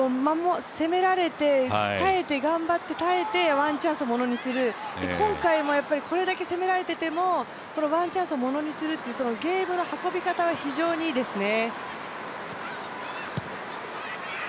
攻められて、耐えて頑張って、耐えて、ワンチャンスをものにする今回もこれだけ攻められていてもワンチャンスをものにするって、ゲームの運び方は非常にいいですね。